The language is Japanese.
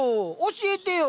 教えてよ。